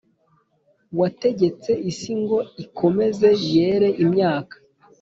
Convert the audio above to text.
Wategetse isi ngo ikomeze yere imyaka